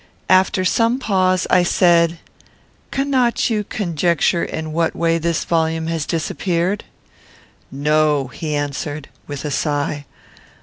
After some pause, I said, "Cannot you conjecture in what way this volume has disappeared?" "No," he answered, with a sigh.